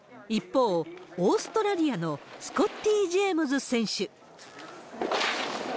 一方、オーストラリアのスコッティ・ジェームズ選手。